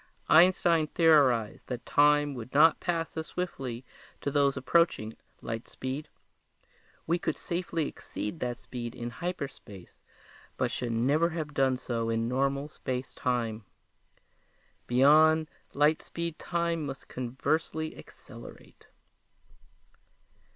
Einstein theorized that time would not pass as swiftly to those approaching light speed. We could safely exceed that speed in hyperspace but should never have done so in normal space time. Beyond light speed time must conversely accelerate!